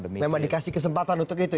memang dikasih kesempatan untuk itu